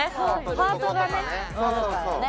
ハートがねあるからね。